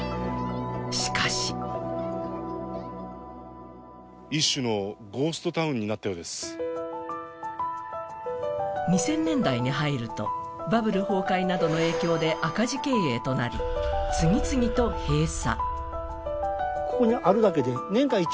しかし２０００年代に入ると、バブル崩壊などの影響で赤字経営となり、次々と閉鎖。